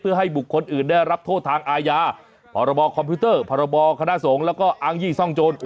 เพื่อให้บุคคลอื่นได้รับโทษทางอาญาพรบคอมพิวเตอร์พรบคณะสงฆ์แล้วก็อ้างยี่ซ่องโจร